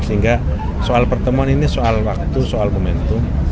sehingga soal pertemuan ini soal waktu soal momentum